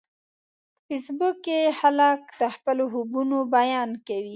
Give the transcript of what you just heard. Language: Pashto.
په فېسبوک کې خلک د خپلو خوبونو بیان کوي